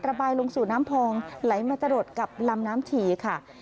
ระบายลงสู่น้ำพองไหลมาตลอดกับลำน้ำฉี่ค่ะ